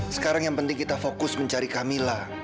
sekarang yang penting kita fokus mencari kamila